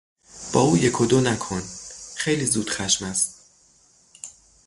با او یک و دو نکن، خیلی زودخشم است.